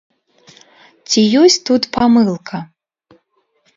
Ці ёсць тут памылка?